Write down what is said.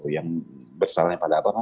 yang bersalah pada apa kan